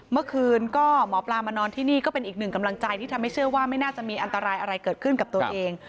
เมื่อคืนก็หมอปลามานอนที่นี่ก็เป็นอีกหนึ่งกำลังใจที่ทำให้เชื่อว่าไม่น่าจะมีอันตรายอะไรเกิดขึ้นกับตัวเอง